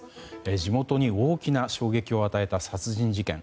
地元に大きな衝撃を与えた殺人事件。